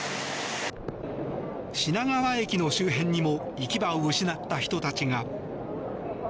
品川駅の周辺にも行き場を失った人たちが。